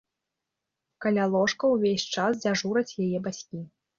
Каля ложка ўвесь час дзяжураць яе бацькі.